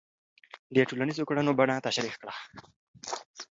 د ټولنیزو کړنو بڼه تشریح کړه.